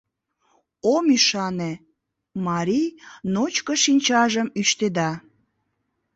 — Ом ӱшане! — марий ночко шинчажым ӱштеда.